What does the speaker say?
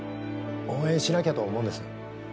応援しなきゃと思うんです。